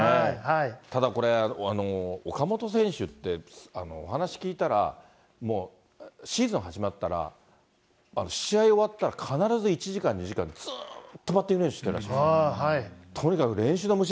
ただ、これ、岡本選手って、お話聞いたら、もうシーズン始まったら、試合終わったら、必ず１時間、２時間、ずっとバッティング練習してらっしゃるんですって。